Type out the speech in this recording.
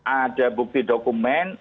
ada bukti dokumen